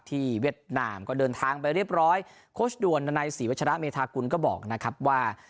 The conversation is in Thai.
เวียดนามก็เดินทางไปเรียบร้อยโค้ชด่วนดันัยศรีวัชระเมธากุลก็บอกนะครับว่า